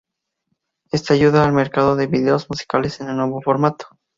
Esto ayudó al mercado de vídeos musicales en el nuevo formato.